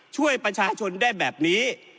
ช่วยประชาชนได้แบบนี้